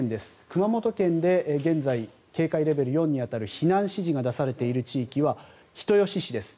熊本県で現在警戒レベル４に当たる避難指示が出されている地域は人吉市です。